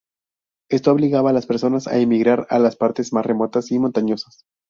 Esto obligaba a las personas a emigrar a las partes más remotas y montañosas.